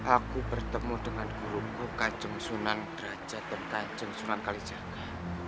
aku bertemu dengan guruku kaceng sunan derajat dan kaceng sunan kalijaga